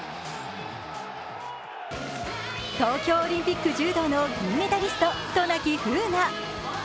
東京オリンピック柔道の銀メダリスト・渡名喜風南。